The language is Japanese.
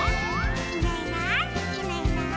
「いないいないいないいない」